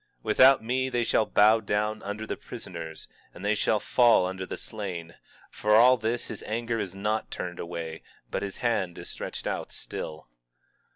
20:4 Without me they shall bow down under the prisoners, and they shall fall under the slain. For all this his anger is not turned away, but his hand is stretched out still.